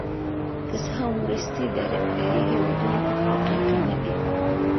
که څه هم وروستي درې هېوادونه په افریقا کې نه دي.